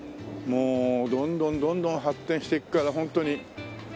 もうどんどんどんどん発展していくからホントに。